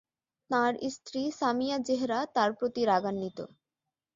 তাঁর স্ত্রী সামিয়া জেহরা তার প্রতি রাগান্বিত।